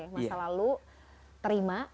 masa lalu terima